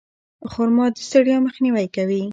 خرما د ستړیا مخنیوی کوي.